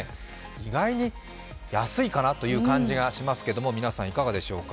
意外に安いかなという感じがしますけれども、皆さんいかがでしょうか。